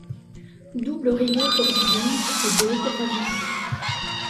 Double rayon tordu d’ombre et d’aube ravie, .